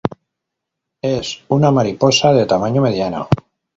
Es una mariposa de tamaño mediano.